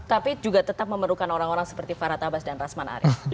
tapi juga tetap memerlukan orang orang seperti farad abbas dan rasman arief